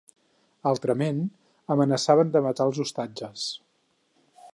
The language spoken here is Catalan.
Altrament, amenaçaven de matar els ostatges.